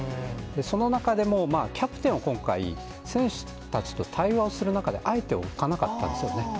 その中でも、キャプテンを今回、選手たちと対話をする中であえて置かなかったですよね。